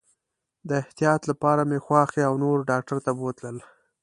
د احتیاط لپاره مې خواښي او نور ډاکټر ته بوتلل.